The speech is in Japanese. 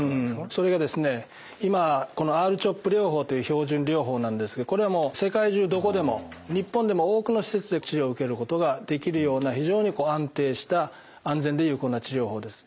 それがですね今ＲーＣＨＯＰ療法という標準療法なんですがこれはもう世界中どこでも日本でも多くの施設で治療を受けることができるような非常に安定した安全で有効な治療法です。